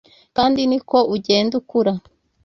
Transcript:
kandi ni ko ugenda ukura